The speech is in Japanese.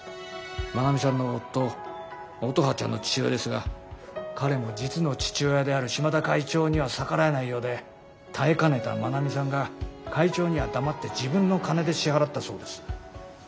真奈美さんの夫乙葉ちゃんの父親ですが彼も実の父親である島田会長には逆らえないようで耐えかねた真奈美さんが会長には黙って自分の金で支払ったそうです。